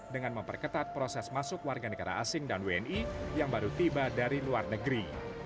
dengan memperketat proses masuk warga negara asing dan wni yang baru tiba dari luar negeri